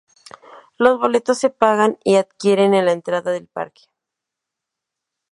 Los boletos se pagan y adquieren en la entrada del parque.